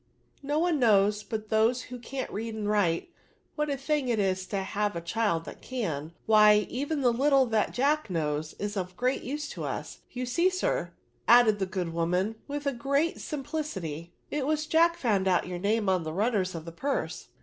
No one knows, but those who can't read and write, what a thing it is to hav/* 72 YERBS. 9, child tliat can ; why, even the little that Jack knows, is of great use to us : you see, sir/' added the good woman, with great sim plicity, '* it was Jack found out your name on the runners of the purse.